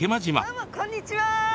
どうもこんにちは！